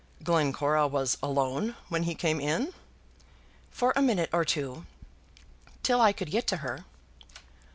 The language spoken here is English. "Glencora was alone when he came in?" "For a minute or two, till I could get to her."